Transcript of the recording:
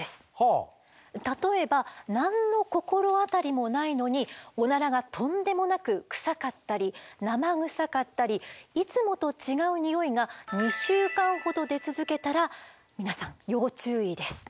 例えば何の心当たりもないのにオナラがとんでもなくクサかったり生臭かったりいつもと違うにおいが２週間ほど出続けたら皆さん要注意です。